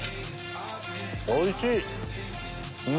おいしい！